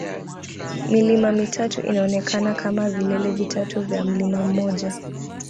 Milima mitatu inaonekana kama vilele vitatu vya mlima mmoja